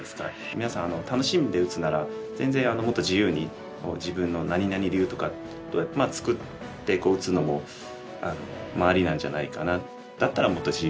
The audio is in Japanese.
皆さん楽しんで打つなら全然もっと自由に自分の「何々流」とか作って打つのもありなんじゃないかな。